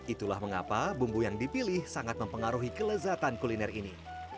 itulah mengapa bumbu yang dipilih sangat mempengaruhi kelezatan kuliner ini